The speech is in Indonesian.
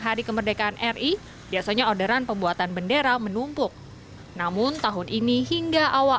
hari kemerdekaan ri biasanya orderan pembuatan bendera menumpuk namun tahun ini hingga awal